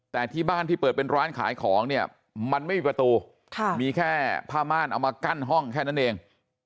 แต่ที่บ้านที่เปิดเป็นร้านขายของเนี่ยมันไม่มีประตูมีแค่ผ้าม่านเอามากั้นห้องแค่นั้นเอง